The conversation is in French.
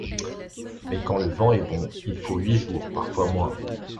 Mais quand le vent est bon, il faut huit jours, parfois moins.